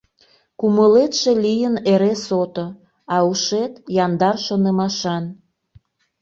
Кумылетше лийын эре сото, А ушет — яндар шонымашан.